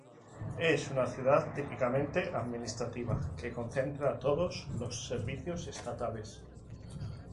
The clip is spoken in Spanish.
Es una ciudad típicamente administrativa que concentra todos los servicios estatales.